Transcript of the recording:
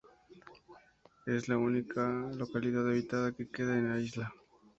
Es la única localidad habitada que queda en la isla.